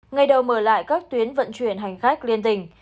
ngày đầu mở lại các tuyến vận chuyển hành khách liên tỉnh